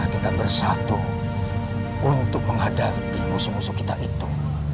kita bersatu untuk menghadapi musuh musuh kita itu